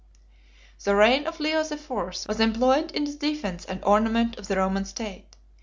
The reign of Leo the Fourth was employed in the defence and ornament of the Roman state.